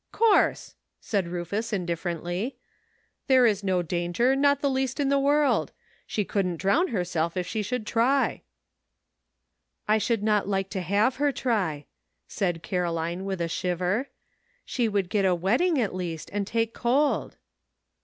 "'Course," said Rufus indifferently, "there is no danger, not the least in the world. She couldn't drown herself if she should try." "I should not like to have her try^" said SOMETHING TO BEMEMBEB, 33 Caroline, with a shiver ;" she would get a wet ting at least, and take cold."